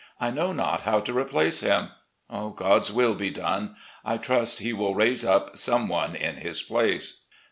I know not how to replace him. God's will be done ! I trust He will raise up some one in his place.